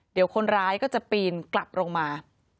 เดี๋ยวคนร้ายก็จะปีนกลับลงมา